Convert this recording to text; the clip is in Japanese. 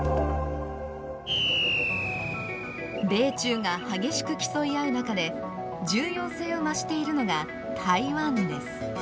米中が激しく競い合う中で重要性を増しているのが台湾です。